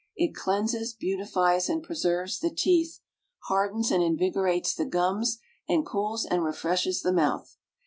It cleanses, beautifies, and preserves the =TEETH=, hardens and invigorates the gums, and cools and refreshes the mouth.